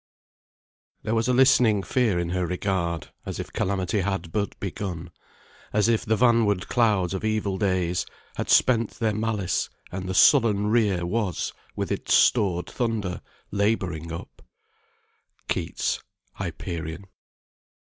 "There was a listening fear in her regard, As if calamity had but begun; As if the vanward clouds of evil days Had spent their malice, and the sullen rear Was, with its stored thunder, labouring up." KEATS' "HYPERION."